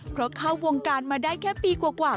เพราะเข้าวงการมาได้แค่ปีกว่า